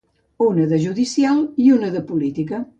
Una de judicial i una de política.